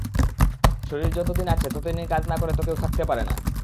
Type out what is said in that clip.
শরীর যতদিন আছে, ততদিন কাজ না করে তো কেউ থাকতে পারে না।